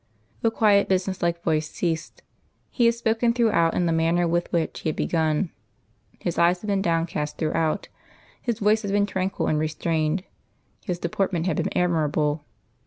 The quiet business like voice ceased. He had spoken throughout in the manner with which he had begun; his eyes had been downcast throughout; his voice had been tranquil and restrained. His deportment had been admirable.